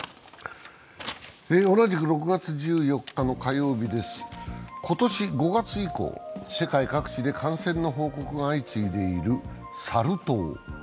同じく６月１４日の火曜日です今年５月以降、世界各地で感染の報告が相次いでいるサル痘。